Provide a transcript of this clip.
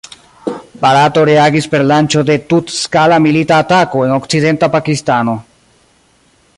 Barato reagis per lanĉo de tut-skala milita atako en Okcidenta Pakistano.